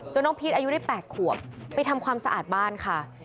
น้องพีชอายุได้๘ขวบไปทำความสะอาดบ้านค่ะ